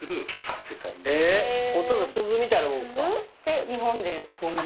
えっ鈴みたいなもんですか？